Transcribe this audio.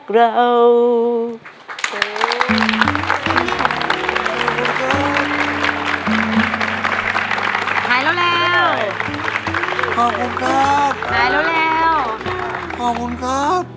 ขอบคุณครับ